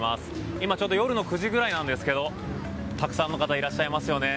今、ちょうど夜の９時ぐらいなんですがたくさんの方がいらっしゃいますね。